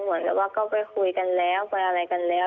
เหมือนกับว่าก็ไปคุยกันแล้วไปอะไรกันแล้ว